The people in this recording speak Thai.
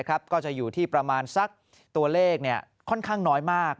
ก็จะอยู่ที่ประมาณสักตัวเลขค่อนข้างน้อยมาก